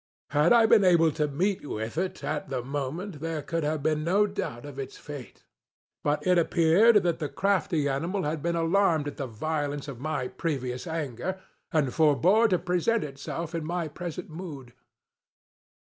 Had I been able to meet with it, at the moment, there could have been no doubt of its fate; but it appeared that the crafty animal had been alarmed at the violence of my previous anger, and forebore to present itself in my present mood.